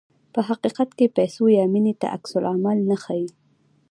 په حقیقت کې پیسو یا مینې ته عکس العمل نه ښيي.